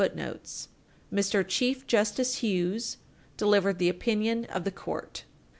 342 MR. CHIEF JUSTICE HUGHES delivered the opinion of the Court.